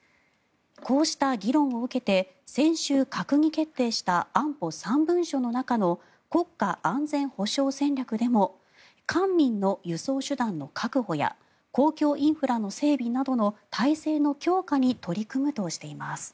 こうした議論を受けて先週、閣議決定した安保３文書の中の国家安全保障戦略でも官民の輸送手段の確保や公共インフラの整備などの体制の強化に取り組むとしています。